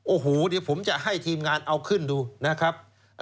โอ้โหเดี๋ยวผมจะให้ทีมงานเอาขึ้นดูนะครับ